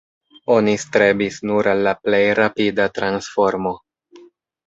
Oni strebis nur al la plej rapida transformo.